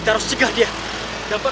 mas tunggu sebentar